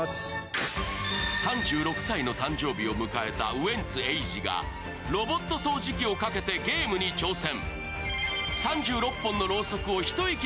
３６歳の誕生日を迎えたウエンツ瑛士が、ロボット掃除機をかけてゲームに挑戦。